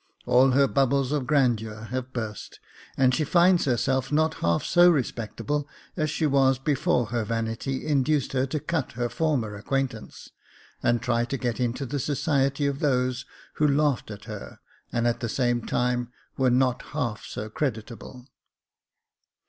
All her bubbles of grandeur have burst, and she finds herself not half so respectable as she was before her vanity induced her to cut her former acquaint ance, and try to get into the society of those who laughed at her, and at the same time were not half so creditable.